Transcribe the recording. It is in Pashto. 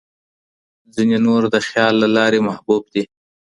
ځینې نور د خیال له لارې محبوب دي.